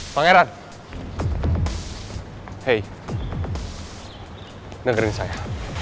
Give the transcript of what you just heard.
pangeran hey negeri ini saya